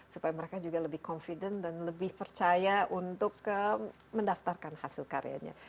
supaya mereka juga lebih confident dan lebih percaya untuk mendaftarkan hasil karyanya